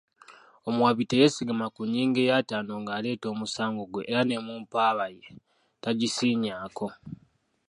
Omuwaabi teyeesigama ku nnyingo ey'ataano ng'aleeta omusango gwe era ne mu mpaaba ye tagisiinyaako.